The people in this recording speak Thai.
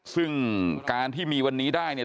ซึ่งการที่มีวันนี้ได้เนี่ย